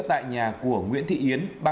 tại nhà của nguyễn thị yến